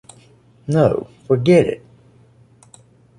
No, forget it.